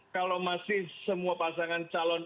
kalau masih semua pasangan calon